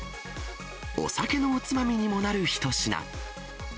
お酒のおつまみにもなる一品。